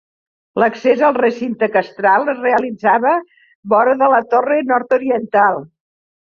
L'accés al recinte castral es realitzava vora de la torre nord-oriental.